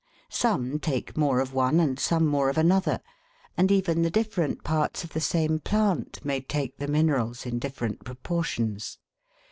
Some take more of one and some more of another, and even the different parts of the same plant may take the minerals in different proportions.